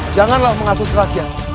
janganlah mengasut rakyat